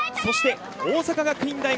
大阪学院大学。